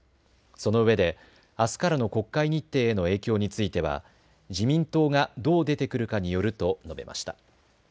そのうえであすからの国会日程への影響については自民党がどう出てくるかによると述べました。